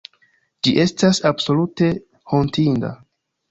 Ĝi estas absolute hontinda.